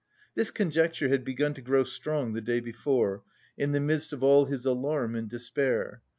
This conjecture had begun to grow strong the day before, in the midst of all his alarm and despair.